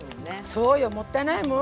そうよもったいないもん。